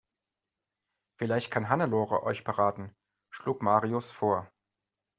Vielleicht kann Hannelore euch beraten, schlug Marius vor.